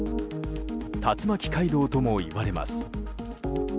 竜巻街道ともいわれます。